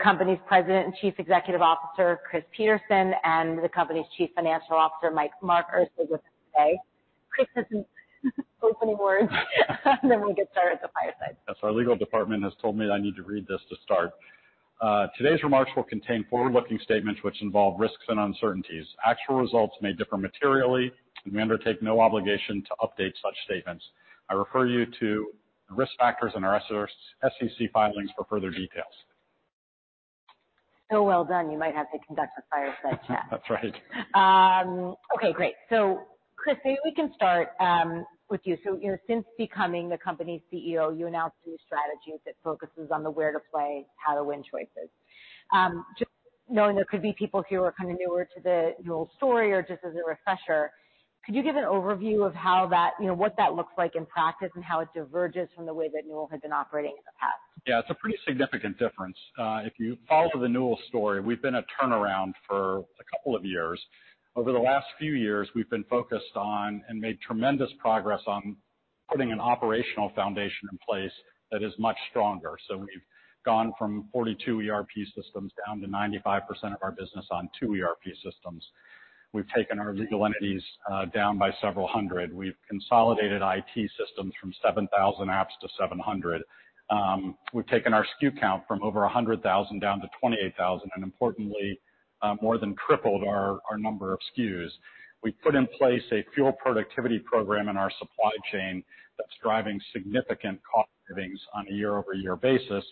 The company's President and Chief Executive Officer, Chris Peterson, and the company's Chief Financial Officer, Mark Erceg, are with us today. Chris, opening words, and then we get started with the fireside. Yes, our legal department has told me that I need to read this to start. Today's remarks will contain forward-looking statements which involve risks and uncertainties. Actual results may differ materially, and we undertake no obligation to update such statements. I refer you to the risk factors in our SEC filings for further details. Well done. You might have to conduct a fireside chat. That's right. Okay, great. So Chris, maybe we can start with you. So, you know, since becoming the company's CEO, you announced a new strategy that focuses on the where to play, how to win choices. Just knowing there could be people who are kind of newer to the Newell story or just as a refresher, could you give an overview of how that, you know, what that looks like in practice and how it diverges from the way that Newell had been operating in the past? Yeah, it's a pretty significant difference. If you follow the Newell story, we've been a turnaround for a couple of years. Over the last few years, we've been focused on and made tremendous progress on putting an operational foundation in place that is much stronger. So we've gone from 42 ERP systems down to 95% of our business on two ERP systems. We've taken our legal entities down by several hundred. We've consolidated IT systems from 7,000 apps to 700. We've taken our SKU count from over 100,000 down to 28,000, and importantly, more than tripled our number of SKUs. We put in place a full productivity program in our supply chain that's driving significant cost savings on a year-over-year basis,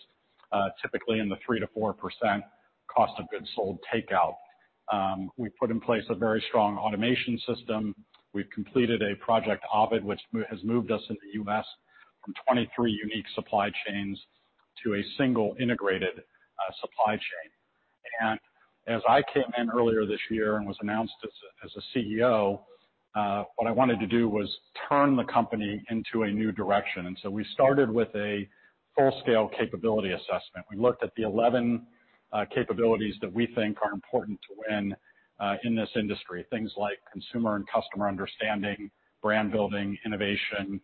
typically in the 3%-4% cost of goods sold takeout. We put in place a very strong automation system. We've completed Project Ovid, which has moved us in the U.S. from 23 unique supply chains to a single integrated supply chain. As I came in earlier this year and was announced as a CEO, what I wanted to do was turn the company into a new direction. So we started with a full-scale capability assessment. We looked at the 11 capabilities that we think are important to win in this industry. Things like consumer and customer understanding, brand building, innovation,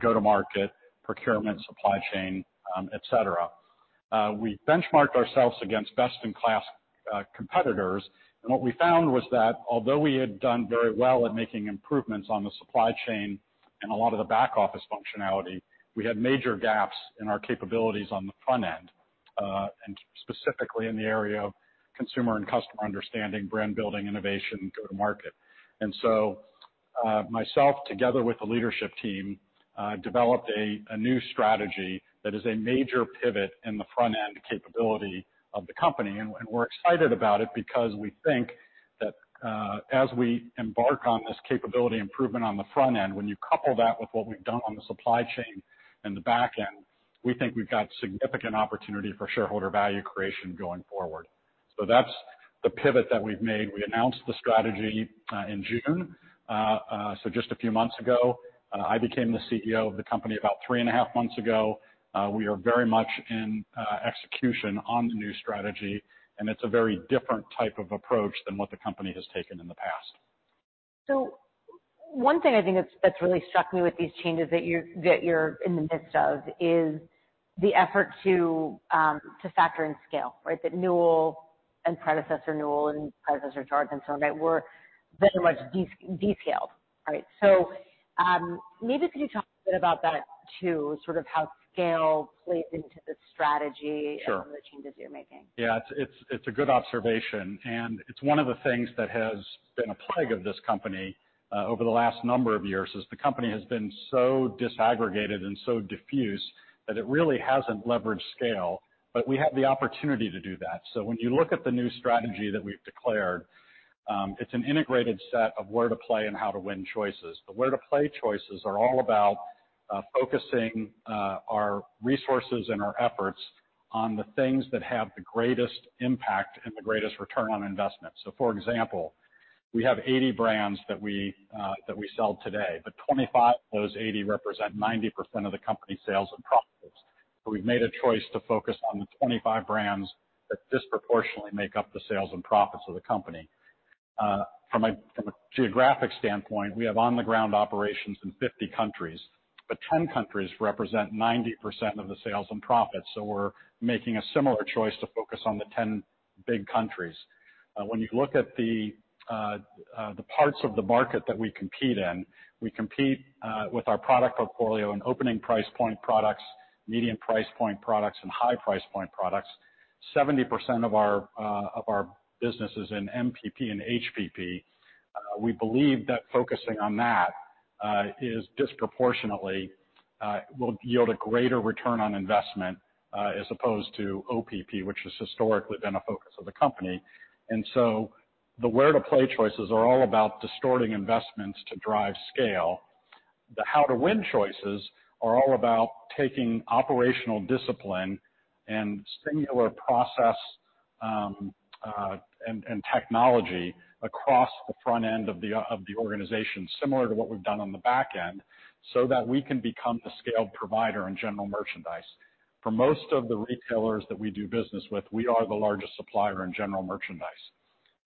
go-to-market, procurement, supply chain, et cetera. We benchmarked ourselves against best-in-class competitors, and what we found was that although we had done very well at making improvements on the supply chain and a lot of the back office functionality, we had major gaps in our capabilities on the front end, and specifically in the area of consumer and customer understanding, brand building, innovation, go-to-market. So, myself, together with the leadership team, developed a new strategy that is a major pivot in the front-end capability of the company. We're excited about it because we think that as we embark on this capability improvement on the front end, when you couple that with what we've done on the supply chain and the back end, we think we've got significant opportunity for shareholder value creation going forward. So that's the pivot that we've made. We announced the strategy in June, so just a few months ago. I became the CEO of the company about three and a half months ago. We are very much in execution on the new strategy, and it's a very different type of approach than what the company has taken in the past. So one thing I think that's, that's really struck me with these changes that you're, that you're in the midst of, is the effort to, to factor in scale, right? That Newell and predecessor Newell and predecessor Jarden and so on, that were very much de-scaled, right? So, maybe could you talk a bit about that, too, sort of how scale plays into the strategy- Sure. and the changes you're making? Yeah, it's a good observation, and it's one of the things that has been a plague of this company over the last number of years, is the company has been so disaggregated and so diffused that it really hasn't leveraged scale, but we have the opportunity to do that. So when you look at the new strategy that we've declared, it's an integrated set of where to play and how to win choices. The where to play choices are all about focusing our resources and our efforts on the things that have the greatest impact and the greatest return on investment. So, for example, we have 80 brands that we that we sell today, but 25 of those 80 represent 90% of the company's sales and profits. So we've made a choice to focus on the 25 brands that disproportionately make up the sales and profits of the company. From a geographic standpoint, we have on-the-ground operations in 50 countries, but 10 countries represent 90% of the sales and profits, so we're making a similar choice to focus on the 10 big countries. When you look at the parts of the market that we compete in, we compete with our product portfolio in opening price point products, medium price point products, and high price point products. 70% of our business is in MPP and HPP. We believe that focusing on that will yield a greater return on investment as opposed to OPP, which has historically been a focus of the company. So the where to play choices are all about distorting investments to drive scale. The how to win choices are all about taking operational discipline and singular process and technology across the front end of the organization, similar to what we've done on the back end, so that we can become the scaled provider in general merchandise. For most of the retailers that we do business with, we are the largest supplier in general merchandise...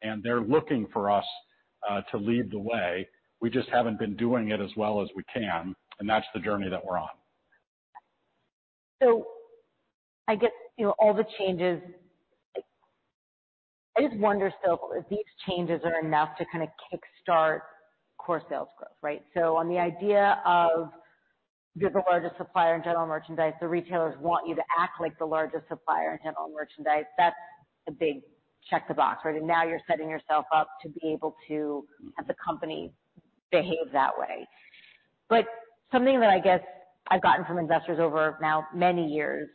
and they're looking for us to lead the way. We just haven't been doing it as well as we can, and that's the journey that we're on. So I get, you know, all the changes. I just wonder still if these changes are enough to kind of kickstart core sales growth, right? So on the idea of you're the largest supplier in general merchandise, the retailers want you to act like the largest supplier in general merchandise, that's a big check the box, right? Now you're setting yourself up to be able to have the company behave that way. But something that I guess I've gotten from investors over now many years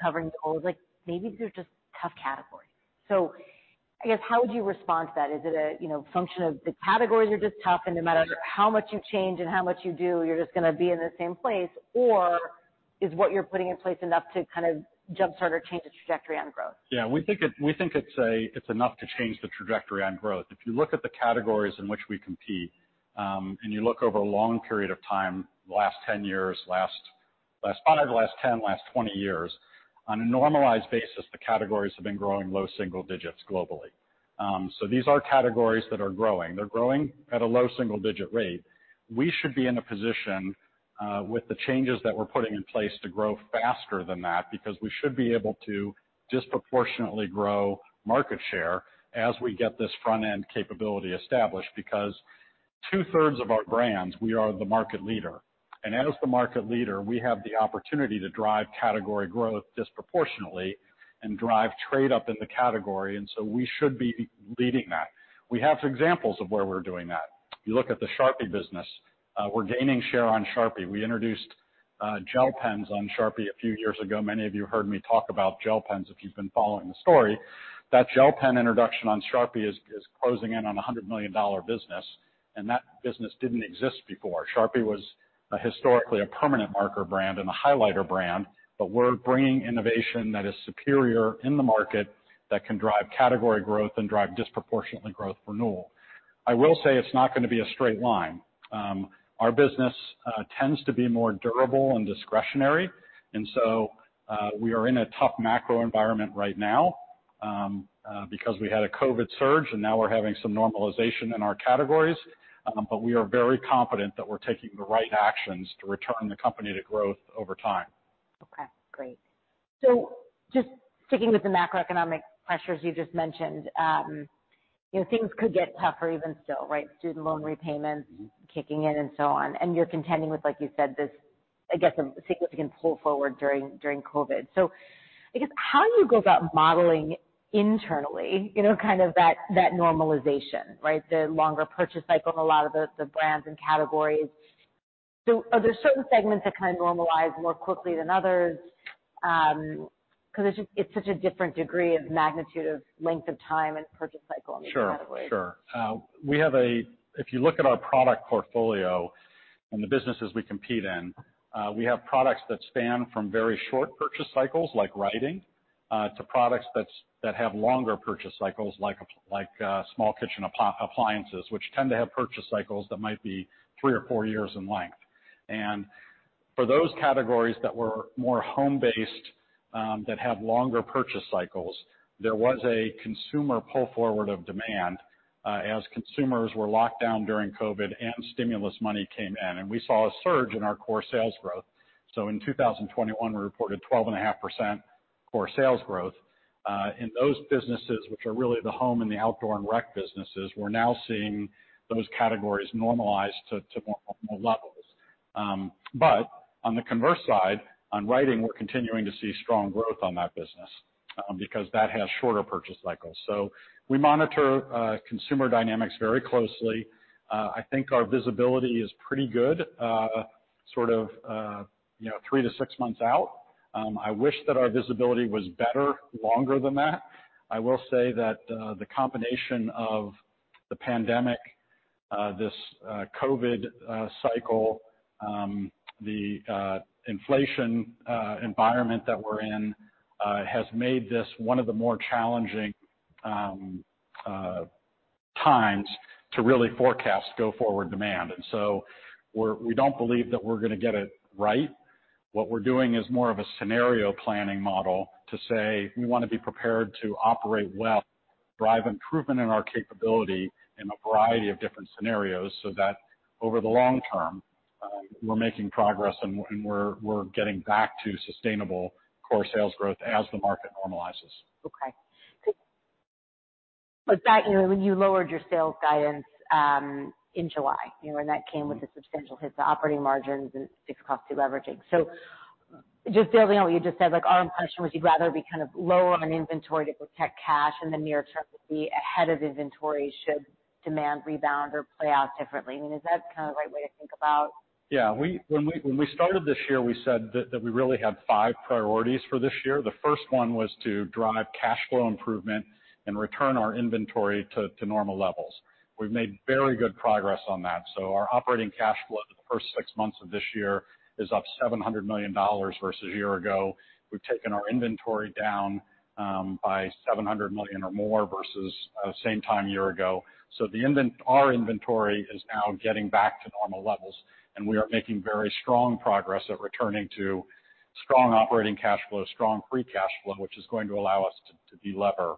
covering you all, is like, maybe these are just tough categories. So I guess, how would you respond to that? Is it a, you know, function of the categories are just tough, and no matter how much you change and how much you do, you're just gonna be in the same place, or is what you're putting in place enough to kind of jumpstart or change the trajectory on growth? Yeah, we think it's enough to change the trajectory on growth. If you look at the categories in which we compete, and you look over a long period of time, the last 10, last 20 years, on a normalized basis, the categories have been growing low single digits globally. So these are categories that are growing. They're growing at a low single-digit rate. We should be in a position, with the changes that we're putting in place, to grow faster than that, because we should be able to disproportionately grow market share as we get this front-end capability established. Because two-thirds of our brands, we are the market leader. As the market leader, we have the opportunity to drive category growth disproportionately and drive trade up in the category, and so we should be leading that. We have examples of where we're doing that. You look at the Sharpie business, we're gaining share on Sharpie. We introduced gel pens on Sharpie a few years ago. Many of you heard me talk about gel pens if you've been following the story. That gel pen introduction on Sharpie is closing in on a $100 million business, and that business didn't exist before. Sharpie was historically a permanent marker brand and a highlighter brand, but we're bringing innovation that is superior in the market that can drive category growth and drive disproportionate growth for Newell. I will say it's not gonna be a straight line. Our business tends to be more durable and discretionary, and so, we are in a tough macro environment right now, because we had a COVID surge, and now we're having some normalization in our categories. But we are very confident that we're taking the right actions to return the company to growth over time. Okay, great. So just sticking with the macroeconomic pressures you just mentioned, you know, things could get tougher even still, right? Student loan repayments kicking in and so on, and you're contending with, like you said, this, I guess, a significant pull forward during COVID. So I guess, how do you go about modeling internally, you know, kind of that normalization, right? The longer purchase cycle in a lot of the brands and categories. So are there certain segments that kind of normalize more quickly than others? Because it's just, it's such a different degree of magnitude of length of time and purchase cycle in these categories. Sure, sure. If you look at our product portfolio and the businesses we compete in, we have products that span from very short purchase cycles, like writing, to products that have longer purchase cycles, like small kitchen appliances, which tend to have purchase cycles that might be three or four years in length. For those categories that were more home-based, that have longer purchase cycles, there was a consumer pull forward of demand, as consumers were locked down during COVID and stimulus money came in, and we saw a surge in our core sales growth. So in 2021, we reported 12.5% core sales growth. In those businesses, which are really the home and the outdoor and rec businesses, we're now seeing those categories normalize to more normal levels. But on the converse side, on writing, we're continuing to see strong growth on that business, because that has shorter purchase cycles. So we monitor consumer dynamics very closely. I think our visibility is pretty good, sort of, you know, 3-6 months out. I wish that our visibility was better longer than that. I will say that the combination of the pandemic, this COVID cycle, the inflation environment that we're in has made this one of the more challenging times to really forecast go-forward demand. And so we don't believe that we're gonna get it right. What we're doing is more of a scenario planning model to say: We want to be prepared to operate well, drive improvement in our capability in a variety of different scenarios, so that over the long term, we're making progress, and we're getting back to sustainable core sales growth as the market normalizes. Okay. But that, you know, when you lowered your sales guidance, in July, you know, and that came with a substantial hit to operating margins and fixed cost deleveraging. So just building on what you just said, like, our impression was you'd rather be kind of lower on inventory to protect cash in the near term, to be ahead of inventory should demand rebound or play out differently. I mean, is that kind of the right way to think about? Yeah, when we started this year, we said that we really had five priorities for this year. The first one was to drive cash flow improvement and return our inventory to normal levels. We've made very good progress on that. So our operating cash flow for the first six months of this year is up $700 million versus a year ago. We've taken our inventory down by $700 million or more versus same time year ago. So our inventory is now getting back to normal levels, and we are making very strong progress at returning to strong operating cash flow, strong free cash flow, which is going to allow us to delever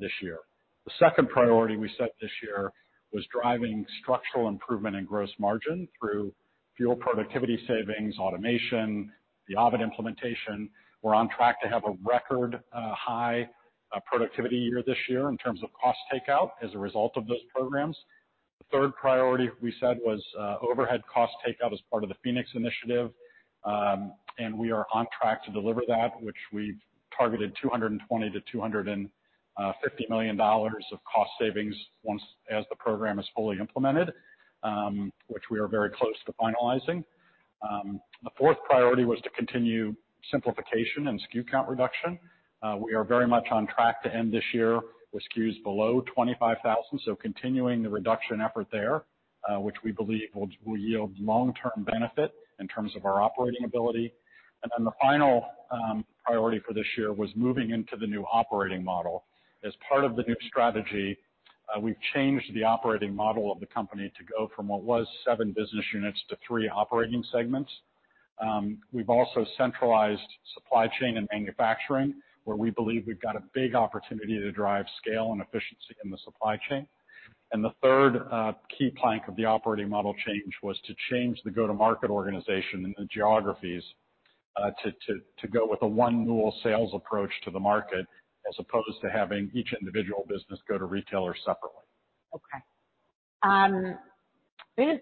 this year. The second priority we set this year was driving structural improvement in gross margin through fuel productivity savings, automation, the Ovid implementation. We're on track to have a record high productivity year this year in terms of cost takeout as a result of those programs. The third priority we said was overhead cost takeout as part of the Phoenix Initiative, and we are on track to deliver that, which we've targeted $220 million-$250 million of cost savings once as the program is fully implemented, which we are very close to finalizing. The fourth priority was to continue simplification and SKU count reduction. We are very much on track to end this year with SKUs below 25,000, so continuing the reduction effort there, which we believe will yield long-term benefit in terms of our operating ability. The final priority for this year was moving into the new operating model. As part of the new strategy, we've changed the operating model of the company to go from what was seven business units to three operating segments. We've also centralized supply chain and manufacturing, where we believe we've got a big opportunity to drive scale and efficiency in the supply chain. The third, key plank of the operating model change was to change the go-to-market organization and the geographies, to go with a One Newell sales approach to the market, as opposed to having each individual business go to retailers separately. Okay.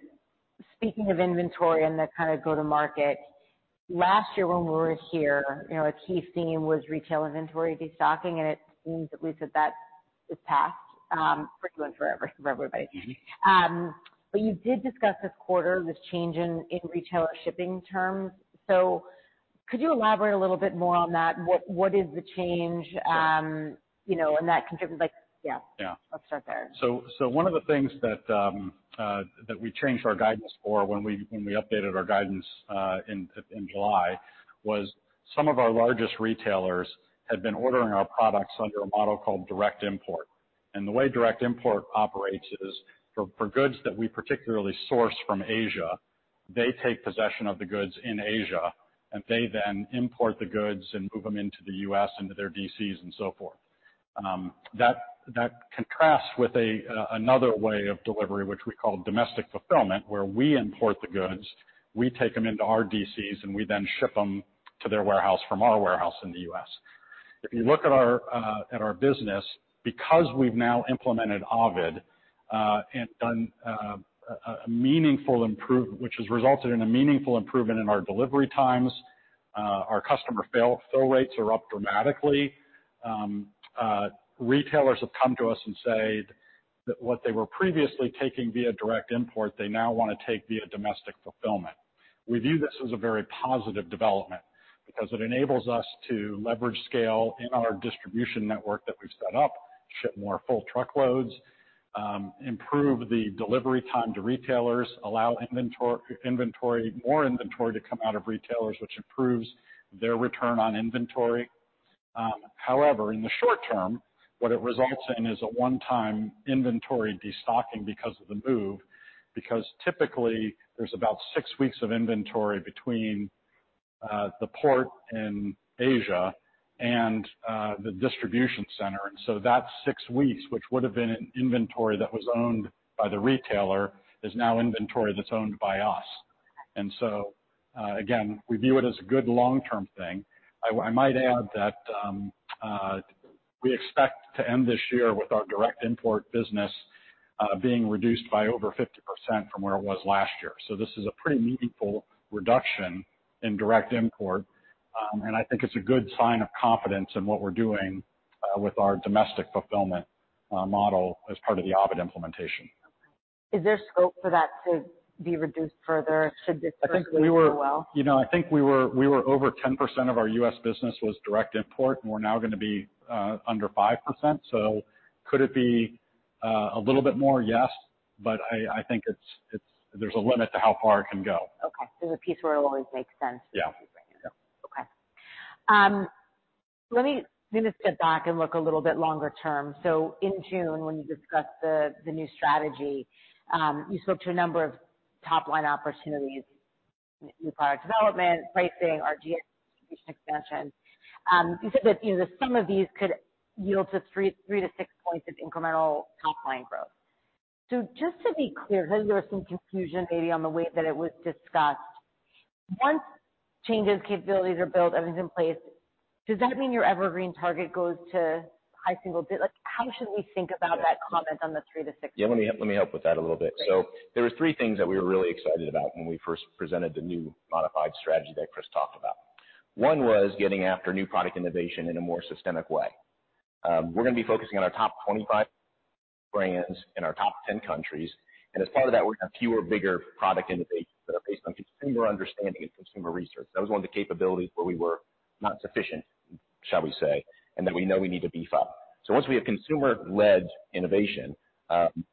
Speaking of inventory and the kind of go-to-market, last year when we were here, you know, a key theme was retail inventory destocking, and it seems at least that that is passed, for good and forever for everybody. But you did discuss this quarter, this change in retailer shipping terms. So could you elaborate a little bit more on that? What is the change? You know, and that contributes, like, yeah. Yeah. Let's start there. So one of the things that we changed our guidance for when we updated our guidance in July was some of our largest retailers had been ordering our products under a model called direct import. The way direct import operates is for goods that we particularly source from Asia, they take possession of the goods in Asia, and they then import the goods and move them into the U.S., into their D.Cs and so forth. That contrasts with a another way of delivery, which we call domestic fulfillment, where we import the goods, we take them into our DCs, and we then ship them to their warehouse from our warehouse in the U.S. If you look at our business, because we've now implemented Ovid, and done a meaningful improvement which has resulted in a meaningful improvement in our delivery times, our customer fill rates are up dramatically. Retailers have come to us and said that what they were previously taking via direct import, they now wanna take via domestic fulfillment. We view this as a very positive development because it enables us to leverage scale in our distribution network that we've set up, ship more full truckloads, improve the delivery time to retailers, allow more inventory to come out of retailers, which improves their return on inventory. However, in the short term, what it results in is a one-time inventory destocking because of the move, because typically there's about six weeks of inventory between the port in Asia and the distribution center. So that six weeks, which would have been an inventory that was owned by the retailer, is now inventory that's owned by us. So, again, we view it as a good long-term thing. I might add that, we expect to end this year with our direct import business being reduced by over 50% from where it was last year. So this is a pretty meaningful reduction in direct import, and I think it's a good sign of confidence in what we're doing with our domestic fulfillment model as part of the Ovid implementation. Is there scope for that to be reduced further, should this- I think we were- Go well? You know, I think we were over 10% of our U.S business was direct import, and we're now gonna be under 5%. So could it be a little bit more? Yes, but I think it's, there's a limit to how far it can go. Okay. There's a piece where it will always make sense. Yeah. Okay. Let me step back and look a little bit longer term. So in June, when you discussed the new strategy, you spoke to a number of top-line opportunities, new product development, pricing, RGM expansion. You said that, you know, some of these could yield 3-6 points of incremental top line growth. So just to be clear, because there was some confusion maybe on the way that it was discussed, once changes, capabilities are built, everything's in place, does that mean your evergreen target goes to high single dig-- Like, how should we think about that comment on the 3-6? Yeah, let me, let me help with that a little bit. Great. So there were three things that we were really excited about when we first presented the new modified strategy that Chris talked about. One was getting after new product innovation in a more systemic way. We're gonna be focusing on our top 25 brands in our top 10 countries, and as part of that, we're going to have fewer, bigger product innovations that are based on consumer understanding and consumer research. That was one of the capabilities where we were not sufficient, shall we say, and that we know we need to beef up. So once we have consumer-led innovation,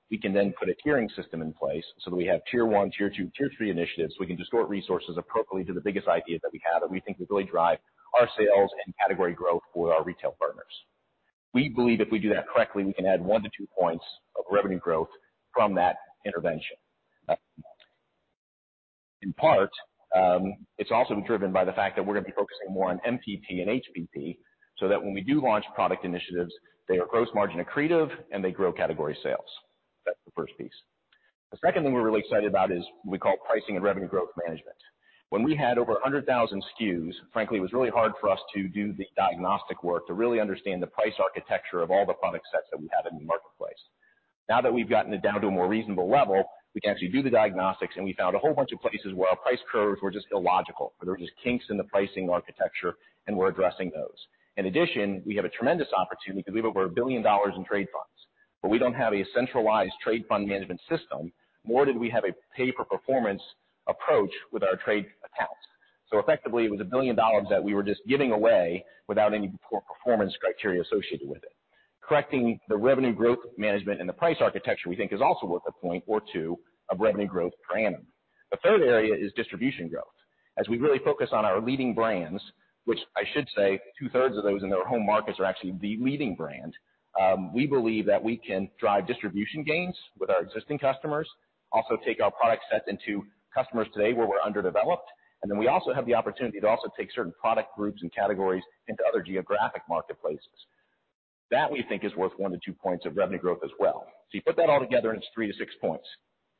we can then put a tiering system in place so that we have tier one, tier two, tier three initiatives. We can distort resources appropriately to the biggest idea that we have, that we think will really drive our sales and category growth with our retail partners. We believe if we do that correctly, we can add 1-2 points of revenue growth from that intervention. In part, it's also driven by the fact that we're gonna be focusing more on MPP and HPP, so that when we do launch product initiatives, they are gross margin accretive, and they grow category sales. That's the first piece. The second thing we're really excited about is what we call pricing and revenue growth management. When we had over 100,000 SKUs, frankly, it was really hard for us to do the diagnostic work to really understand the price architecture of all the product sets that we have in the marketplace. Now that we've gotten it down to a more reasonable level, we can actually do the diagnostics, and we found a whole bunch of places where our price curves were just illogical, where there were just kinks in the pricing architecture, and we're addressing those. In addition, we have a tremendous opportunity because we have over $1 billion in trade funds, but we don't have a centralized trade fund management system, nor did we have a pay-for-performance approach with our trade accounts. So effectively, it was $1 billion that we were just giving away without any per-performance criteria associated with it. Correcting the revenue growth management and the price architecture, we think, is also worth a point or two of revenue growth per annum. The third area is distribution growth. As we really focus on our leading brands, which I should say two-thirds of those in their home markets are actually the leading brand, we believe that we can drive distribution gains with our existing customers, also take our product set into customers today where we're underdeveloped, and then we also have the opportunity to also take certain product groups and categories into other geographic marketplaces. That, we think, is worth 1-2 points of revenue growth as well. So you put that all together, and it's 3-6 points.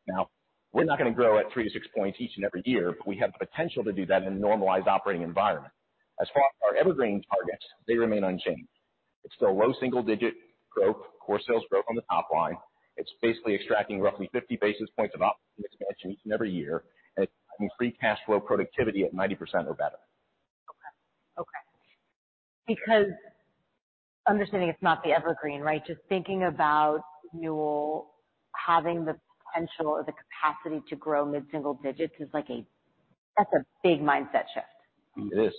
Now, we're not gonna grow at 3-6 points each and every year, but we have the potential to do that in a normalized operating environment. As far as our evergreen targets, they remain unchanged. It's still low single-digit growth, core sales growth on the top line. It's basically extracting roughly 50 basis points of operating expansion each and every year, and free cash flow productivity at 90% or better. Okay. Okay. Because understanding it's not the evergreen, right? Just thinking about Newell having the potential or the capacity to grow mid-single digits is like that's a big mindset shift. It is.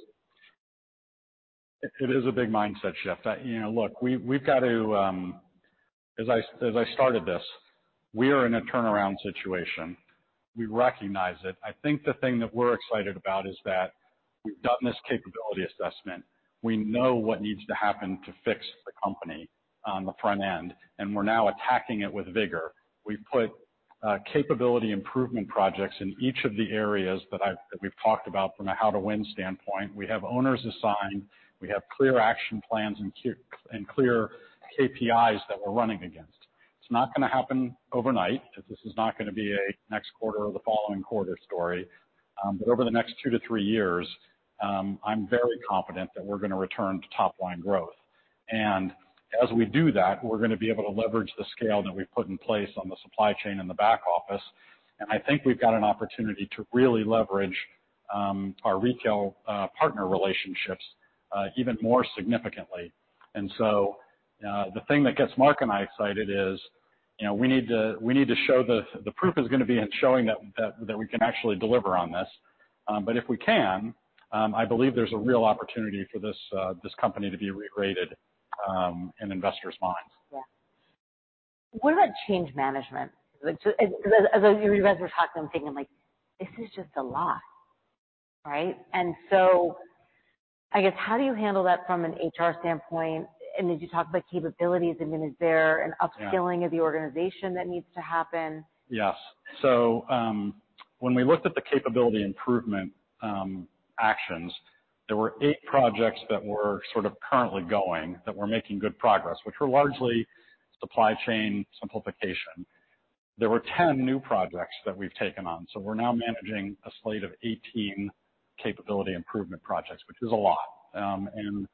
It is a big mindset shift. You know, look, we've got to. As I started this, we are in a turnaround situation. We recognize it. I think the thing that we're excited about is that we've done this capability assessment. We know what needs to happen to fix the company on the front end, and we're now attacking it with vigor. We've put capability improvement projects in each of the areas that we've talked about from a how-to-win standpoint. We have owners assigned, we have clear action plans and clear KPIs that we're running against. It's not gonna happen overnight. This is not gonna be a next quarter or the following quarter story, but over the next two to three years, I'm very confident that we're gonna return to top-line growth. As we do that, we're gonna be able to leverage the scale that we've put in place on the supply chain and the back office, and I think we've got an opportunity to really leverage our retail partner relationships even more significantly. Sso, the thing that gets Mark and I excited is, you know, we need to show the proof is gonna be in showing that we can actually deliver on this. But if we can, I believe there's a real opportunity for this company to be re-rated in investors' minds. Yeah. What about change management? So as, as you guys were talking, I'm thinking, I'm like, this is just a lot, right? So I guess, how do you handle that from an HR standpoint, and as you talked about capabilities, and then is there an upskilling- Yeah of the organization that needs to happen? Yes. So, when we looked at the capability improvement actions, there were 8 projects that were sort of currently going, that were making good progress, which were largely supply chain simplification. There were 10 new projects that we've taken on, so we're now managing a slate of 18 capability improvement projects, which is a lot, and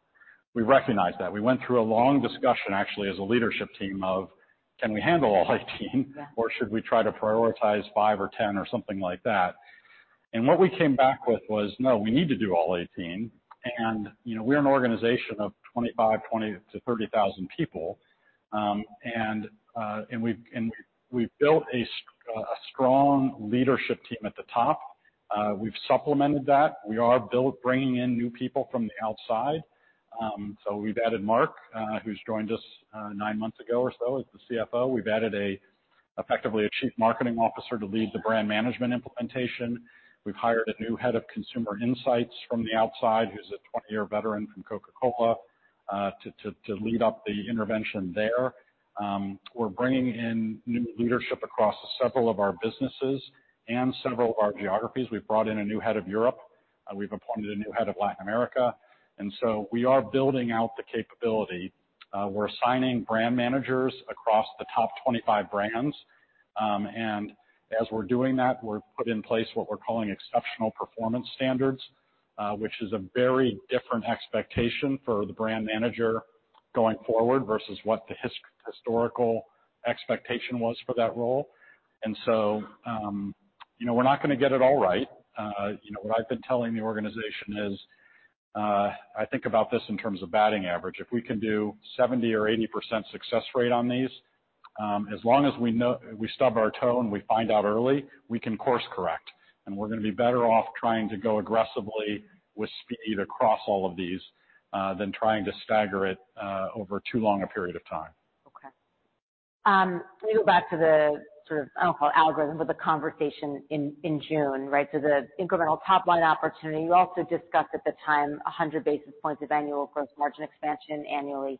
we recognize that. We went through a long discussion, actually, as a leadership team, of can we handle all 18? Yeah. Or should we try to prioritize 5 or 10 or something like that? What we came back with was, no, we need to do all 18, and, you know, we're an organization of 25-30,000 people. We've built a strong leadership team at the top. We've supplemented that. We are bringing in new people from the outside. So we've added Mark, who's joined us 9 months ago or so as the CFO. We've added, effectively, a chief marketing officer to lead the brand management implementation. We've hired a new head of consumer insights from the outside, who's a 20-year veteran from Coca-Cola, to lead up the intervention there. We're bringing in new leadership across several of our businesses and several of our geographies. We've brought in a new head of Europe. We've appointed a new head of Latin America, and so we are building out the capability. We're assigning brand managers across the top 25 brands. As we're doing that, we've put in place what we're calling exceptional performance standards, which is a very different expectation for the brand manager going forward versus what the historical expectation was for that role. So, you know, we're not gonna get it all right. You know, what I've been telling the organization is, I think about this in terms of batting average. If we can do 70% or 80% success rate on these, as long as we know we stub our toe and we find out early, we can course correct, and we're gonna be better off trying to go aggressively with speed across all of these, than trying to stagger it, over too long a period of time. Let me go back to the sort of, I don't call it algorithm, but the conversation in June, right? So the incremental top line opportunity. You also discussed at the time 100 basis points of annual gross margin expansion annually.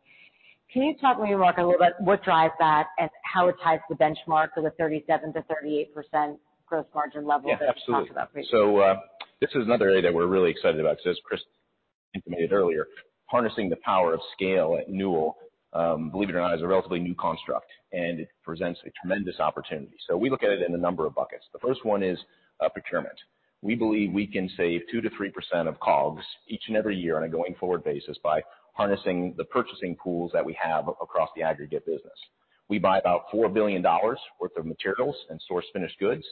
Can you talk, Mark, a little bit, what drives that and how it ties to the benchmark of the 37%-38% gross margin level that you talked about previously? Yeah, absolutely. So, this is another area that we're really excited about, because as Chris indicated earlier, harnessing the power of scale at Newell, believe it or not, is a relatively new construct and it presents a tremendous opportunity. So we look at it in a number of buckets. The first one is, procurement. We believe we can save 2%-3% of COGS each and every year on a going-forward basis by harnessing the purchasing pools that we have across the aggregate business. We buy about $4 billion worth of materials and source finished goods,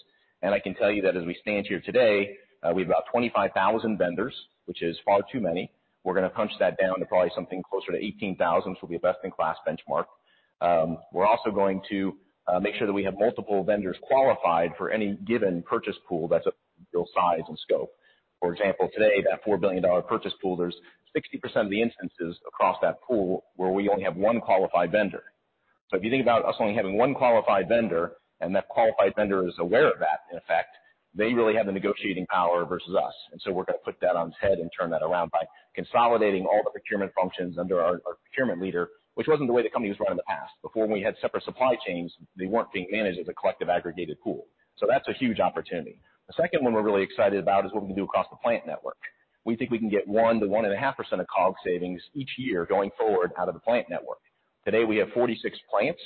and I can tell you that as we stand here today, we have about 25,000 vendors, which is far too many. We're gonna punch that down to probably something closer to 18,000, which will be a best-in-class benchmark. We're also going to make sure that we have multiple vendors qualified for any given purchase pool that's of real size and scope. For example, today, that $4 billion purchase pool, there's 60% of the instances across that pool where we only have one qualified vendor. So if you think about us only having one qualified vendor, and that qualified vendor is aware of that, in effect, they really have the negotiating power versus us. So we're gonna put that on its head and turn that around by consolidating all the procurement functions under our procurement leader, which wasn't the way the company was run in the past. Before, when we had separate supply chains, they weren't being managed as a collective aggregated pool. So that's a huge opportunity. The second one we're really excited about is what we can do across the plant network. We think we can get 1-1.5% of COGS savings each year going forward out of the plant network. Today, we have 46 plants.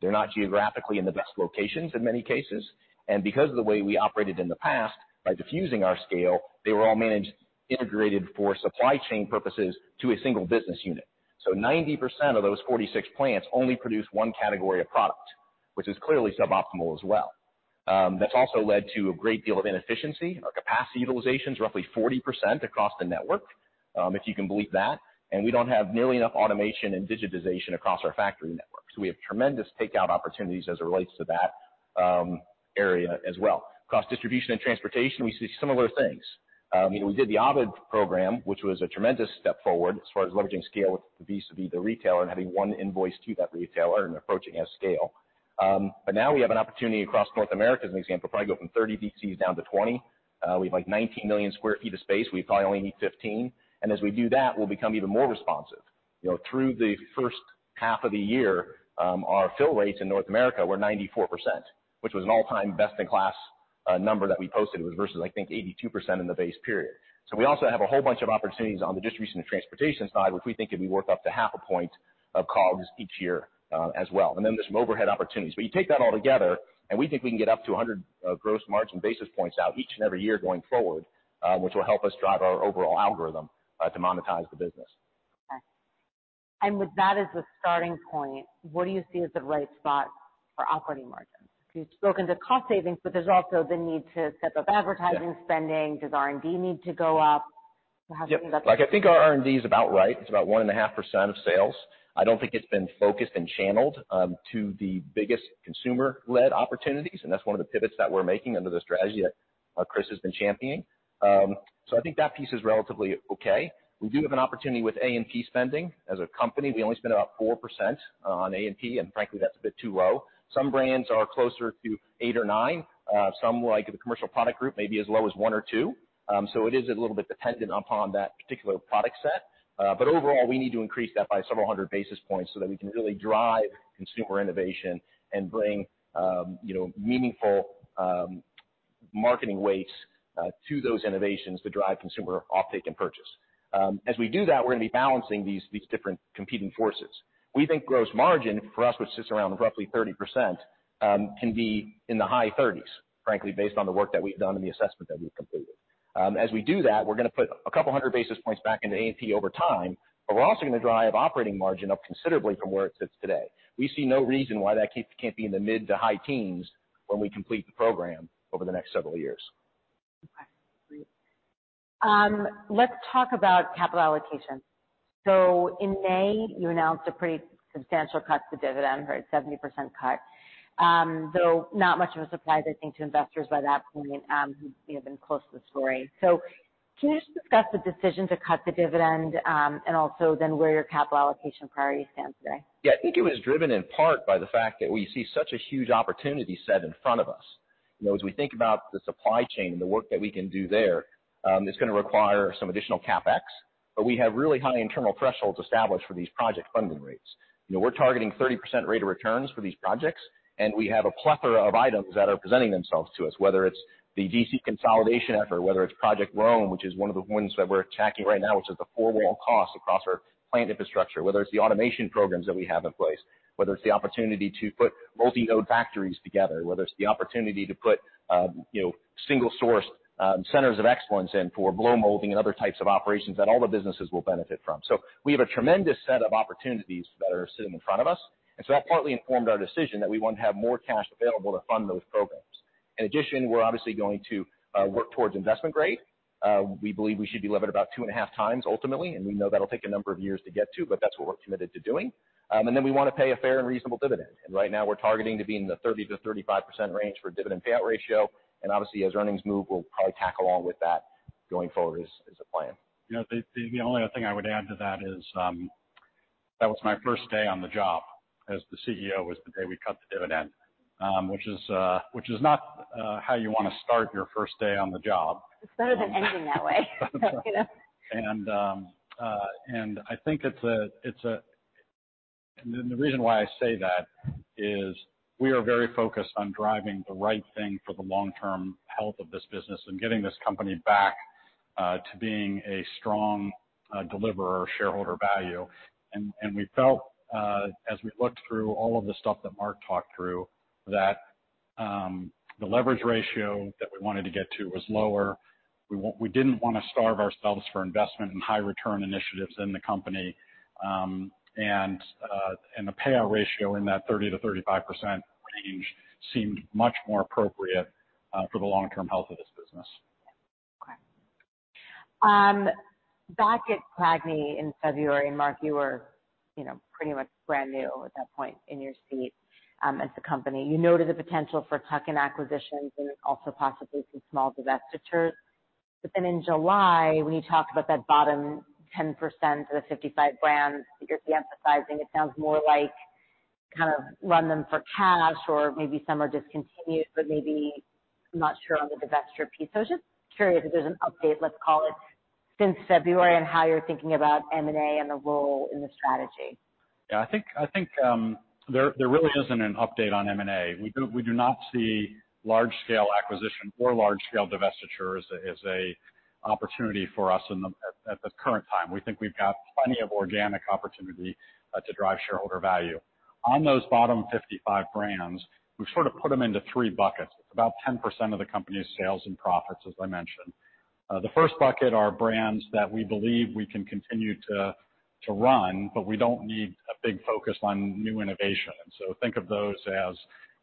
They're not geographically in the best locations in many cases, and because of the way we operated in the past, by diffusing our scale, they were all managed, integrated for supply chain purposes to a single business unit. So 90% of those 46 plants only produce one category of product, which is clearly suboptimal as well. That's also led to a great deal of inefficiency. Our capacity utilization is roughly 40% across the network, if you can believe that, and we don't have nearly enough automation and digitization across our factory network. So we have tremendous takeout opportunities as it relates to that, area as well. Across distribution and transportation, we see similar things. You know, we did the Project Ovid program, which was a tremendous step forward as far as leveraging scale vis-à-vis the retailer and having one invoice to that retailer and approaching at scale. But now we have an opportunity across North America, as an example, to probably go from 30 DCs down to 20. We have, like, 19 million sq ft of space, we probably only need 15. As we do that, we'll become even more responsive. You know, through the first half of the year, our fill rates in North America were 94%, which was an all-time best-in-class number that we posted. It was versus, I think, 82% in the base period. So we also have a whole bunch of opportunities on the distribution and transportation side, which we think could be worth up to 0.5 point of COGS each year, as well. There's some overhead opportunities. But you take that all together, and we think we can get up to 100 gross margin basis points out each and every year going forward, which will help us drive our overall algorithm to monetize the business. Okay. With that as the starting point, what do you see as the right spot for operating margins? You've spoken to cost savings, but there's also the need to step up advertising spending. Yeah. Does R&D need to go up? How do you think about that? Yep. Like, I think our R&D is about right. It's about 1.5% of sales. I don't think it's been focused and channeled to the biggest consumer-led opportunities, and that's one of the pivots that we're making under the strategy that Chris has been championing. So I think that piece is relatively okay. We do have an opportunity with A&P spending. As a company, we only spend about 4% on A&P, and frankly, that's a bit too low. Some brands are closer to eight or nine. Some, like the commercial product group, may be as low as one or two. So it is a little bit dependent upon that particular product set. But overall, we need to increase that by several hundred basis points so that we can really drive consumer innovation and bring, you know, meaningful, marketing weights, to those innovations to drive consumer offtake and purchase. As we do that, we're going to be balancing these different competing forces. We think gross margin, for us, which sits around roughly 30%, can be in the high 30s, frankly, based on the work that we've done and the assessment that we've completed. As we do that, we're gonna put a couple hundred basis points back into A&P over time, but we're also gonna drive operating margin up considerably from where it sits today. We see no reason why that can't be in the mid to high teens when we complete the program over the next several years. Okay, great. Let's talk about capital allocation. So in May, you announced a pretty substantial cut to dividend, right, 70% cut. Though not much of a surprise, I think, to investors by that point, who, you know, have been close to the story. So can you just discuss the decision to cut the dividend, and also then where your capital allocation priority stands today? Yeah. I think it was driven in part by the fact that we see such a huge opportunity set in front of us. You know, as we think about the supply chain and the work that we can do there, it's gonna require some additional CapEx, but we have really high internal thresholds established for these project funding rates. You know, we're targeting 30% rate of returns for these projects, and we have a plethora of items that are presenting themselves to us, whether it's the DC consolidation effort, whether it's Project Rome, which is one of the ones that we're attacking right now, which is the four-wall costs across our plant infrastructure, whether it's the automation programs that we have in place, whether it's the opportunity to put multi-node factories together, whether it's the opportunity to put, you know, single source, centers of excellence in for blow molding and other types of operations that all the businesses will benefit from. So we have a tremendous set of opportunities that are sitting in front of us, and so that partly informed our decision that we want to have more cash available to fund those programs. In addition, we're obviously going to work towards investment grade. We believe we should be levered about 2.5 times ultimately, and we know that'll take a number of years to get to, but that's what we're committed to doing. Then we want to pay a fair and reasonable dividend. Right now, we're targeting to be in the 30%-35% range for dividend payout ratio, and obviously, as earnings move, we'll probably tack along with that going forward as a plan. You know, the only other thing I would add to that is. That was my first day on the job as the CEO, was the day we cut the dividend, which is not how you want to start your first day on the job. It's better than ending that way, you know. I think, and the reason why I say that is we are very focused on driving the right thing for the long-term health of this business and getting this company back to being a strong deliverer of shareholder value. We felt, as we looked through all of the stuff that Mark talked through, that the leverage ratio that we wanted to get to was lower. We didn't want to starve ourselves for investment in high return initiatives in the company. The payout ratio in that 30%-35% range seemed much more appropriate for the long-term health of this business. Okay. Back at CAGNY in February, Mark, you were, you know, pretty much brand new at that point in your seat, at the company. You noted the potential for tuck-in acquisitions and also possibly some small divestitures. But then in July, when you talked about that bottom 10% of the 55 brands that you're de-emphasizing, it sounds more like kind of run them for cash or maybe some are discontinued, but maybe I'm not sure on the divestiture piece. So I was just curious if there's an update, let's call it, since February, on how you're thinking about M&A and the role in the strategy. Yeah, I think there really isn't an update on M&A. We do not see large scale acquisition or large scale divestiture as an opportunity for us at the current time. We think we've got plenty of organic opportunity to drive shareholder value. On those bottom 55 brands, we've sort of put them into three buckets. It's about 10% of the company's sales and profits, as I mentioned. The first bucket are brands that we believe we can continue to run, but we don't need a big focus on new innovation. So think of those as,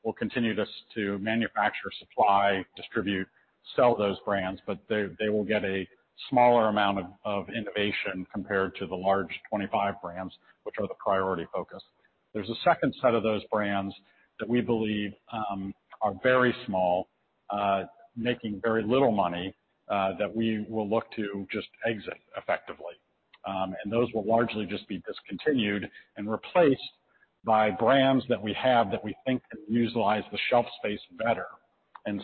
we'll continue to manufacture, supply, distribute, sell those brands, but they will get a smaller amount of innovation compared to the large 25 brands, which are the priority focus. There's a second set of those brands that we believe are very small, making very little money, that we will look to just exit effectively. Those will largely just be discontinued and replaced by brands that we have that we think can utilize the shelf space better.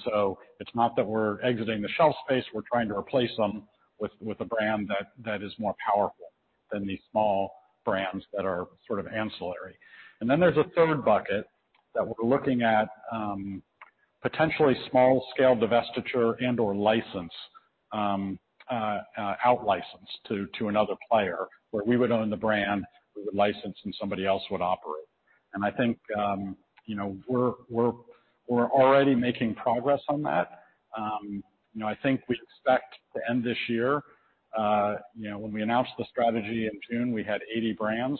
So it's not that we're exiting the shelf space, we're trying to replace them with a brand that is more powerful than these small brands that are sort of ancillary. There's a third bucket that we're looking at, potentially small scale divestiture and/or license, outlicense to another player, where we would own the brand, we would license and somebody else would operate. I think, you know, we're already making progress on that. You know, I think we expect to end this year, you know, when we announced the strategy in June, we had 80 brands.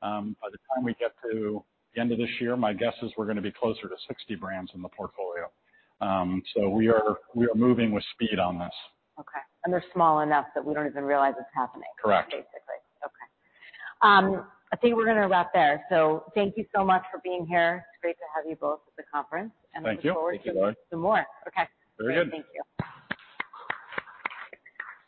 By the time we get to the end of this year, my guess is we're gonna be closer to 60 brands in the portfolio. So we are, we are moving with speed on this. Okay. They're small enough that we don't even realize it's happening- Correct. - basically. Okay. I think we're gonna wrap there. So thank you so much for being here. It's great to have you both at the conference. Thank you. Thank you. Look forward to more. Okay. Very good. Thank you.